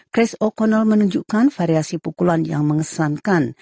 chris o connell menunjukkan variasi pukulan yang mengesankan